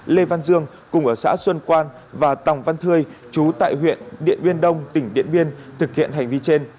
lê văn dương cùng ở xã xuân quan và tòng văn thưê chú tại huyện điện biên đông tỉnh điện biên thực hiện hành vi trên